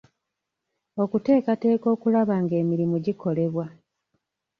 Okuteekateeka okulaba ng'emirimu gikolebwa.